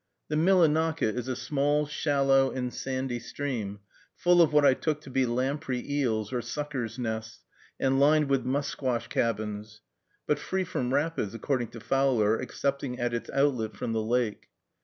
The Millinocket is a small, shallow, and sandy stream, full of what I took to be lamprey eels' or suckers' nests, and lined with musquash cabins, but free from rapids, according to Fowler, excepting at its outlet from the lake.